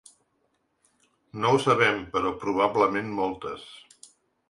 No ho sabem, però probablement moltes.